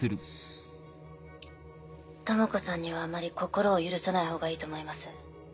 智子さんにはあまり心を許さないほうがいいと思います。